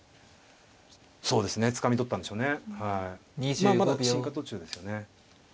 まあまだ進化途中ですよね。